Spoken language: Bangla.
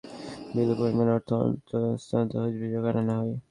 তাতে সাধারণ বিনিয়োগকারীদের বিপুল পরিমাণ অর্থ অন্যত্র স্থানান্তরের অভিযোগ আনা হয়।